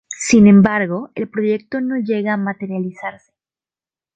Sin embargo el proyecto no llega a materializarse.